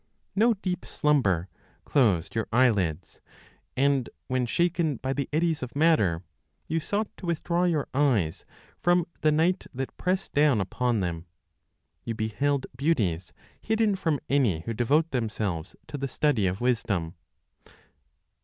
No deep slumber closed your eyelids, and when shaken by the eddies (of matter), You sought to withdraw your eyes from the night that pressed down upon them; You beheld beauties hidden from any who devote themselves to the study of wisdom.